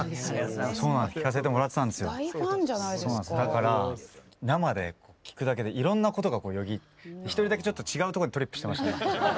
だから生で聴くだけでいろんなことがよぎって一人だけちょっと違うとこにトリップしてました。